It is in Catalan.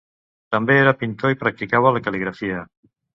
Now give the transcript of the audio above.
També era pintor i practicava la cal·ligrafia.